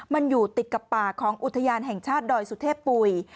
มันอยู่ติดกับป่าของอุทยานแห่งชาติดอยสุเทพปุ๋ย